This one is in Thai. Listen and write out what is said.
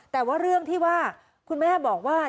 แต่ว่าเรื่องที่ว่าคุณแม่บอกว่า